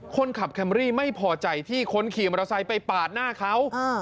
แคมรี่ไม่พอใจที่คนขี่มอเตอร์ไซค์ไปปาดหน้าเขา